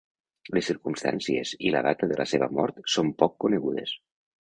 Les circumstàncies i la data de la seva mort són poc conegudes.